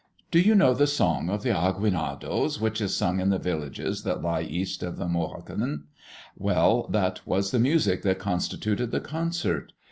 Do you know the song of the Aguinaldos, which is sung in the villages that lie east of the Mulhacem? Well, that was the music that constituted the concert.